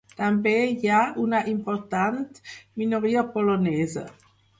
També hi ha una important minoria polonesa.